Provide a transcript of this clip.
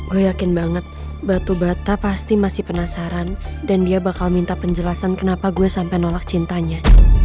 gue yakin banget batu bata pasti masih penasaran dan dia bakal minta penjelasan kenapa gue sampai nolak cintanya